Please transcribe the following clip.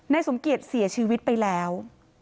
สมเกียจเสียชีวิตไปแล้ว